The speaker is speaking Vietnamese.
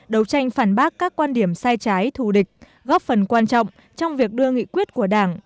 đấu tranh phản bác các quan điểm sai trái thù địch góp phần quan trọng trong việc đưa nghị quyết của đảng